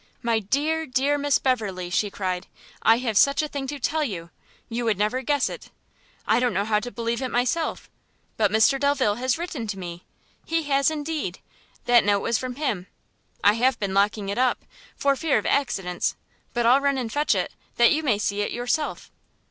"My dear, dear Miss Beverley!" she cried, "I have such a thing to tell you! you would never guess it, I don't know how to believe it myself, but Mr Delvile has written to me! he has indeed! that note was from him. I have been locking it up, for fear of accidents, but I'll run and fetch it, that you may see it yourself."